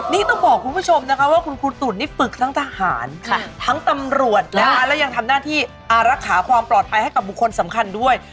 นี่ต้องบอกคุณผู้ชมนะคะว่าคุณครูตุ๋นนี่ฝึกทั้งทหารทั้งตำรวจนะคะแล้วยังทำหน้าที่อารักษาความปลอดภัยให้กับบุคคลสำคัญด้วย